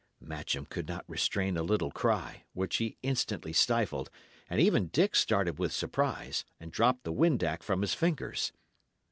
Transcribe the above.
Matcham could not restrain a little cry, which he instantly stifled, and even Dick started with surprise, and dropped the windac from his fingers.